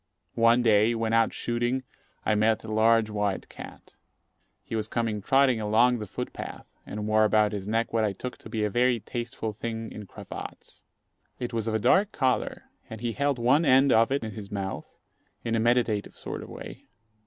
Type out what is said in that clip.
One day, when out shooting, I met a large white cat. He was coming trotting along the foot path, and wore about his neck what I took to be a very tasteful thing in cravats. It was of a dark colour, and he held one end of it in his mouth in a meditative sort of way.